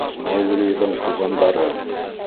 МАУГЛИҘЫҢ ТУҒАНДАРЫ